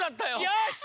よし！